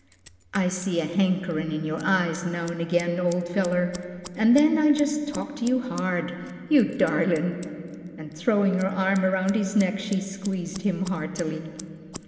"I see a hankerin' in your eyes now an' agin, ole feller, an' then I jus' talk to you hard. You darlin'!" and throwing her arm around his neck, she squeezed him heartily.